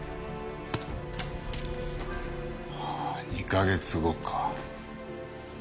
２カ月後か。